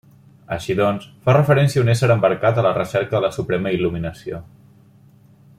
Així doncs, fa referència a un ésser embarcat a la recerca de la suprema il·luminació.